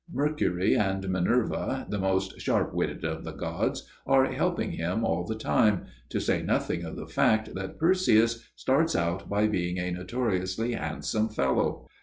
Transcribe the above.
Mercury and Minerva, the most sharp witted of the gods, are helping him all the time to say nothing of the fact that Perseus starts out by being a notoriously handsome fellow.